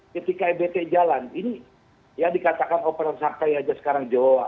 ketika ebt jalan ini ya dikatakan operasi sakai aja sekarang jawa